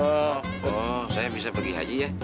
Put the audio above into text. oh saya bisa pergi haji ya